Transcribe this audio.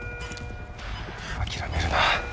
諦めるな。